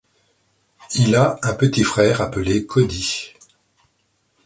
Il a un petit frère appelé Cody.